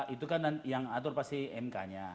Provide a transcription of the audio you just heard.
itu kan yang atur pasti mk nya